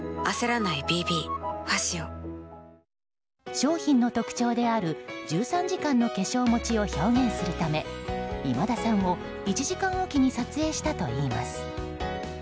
商品の特徴である１３時間の化粧もちを表現するため今田さんを１時間おきに撮影したといいます。